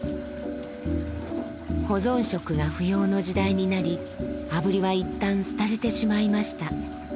保存食が不要の時代になりあぶりは一旦廃れてしまいました。